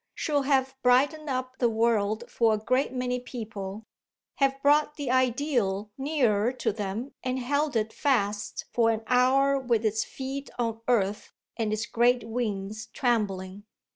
She'll have brightened up the world for a great many people have brought the ideal nearer to them and held it fast for an hour with its feet on earth and its great wings trembling.